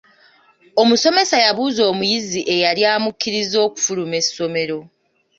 Omusomesa yabuuza omuyizi eyali amukkirizza okufuluma essomero.